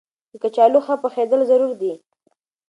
د کچالو ښه پخېدل ضروري دي.